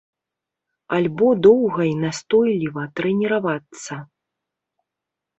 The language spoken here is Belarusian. Альбо доўга і настойліва трэніравацца.